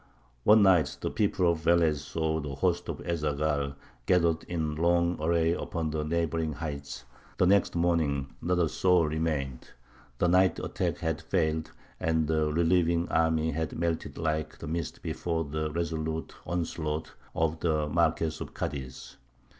One night the people of Velez saw the hosts of Ez Zaghal gathered in long array upon the neighbouring heights; the next morning not a soul remained; the night attack had failed, and the relieving army had melted like the mist before the resolute onslaught of the Marquess of Cadiz.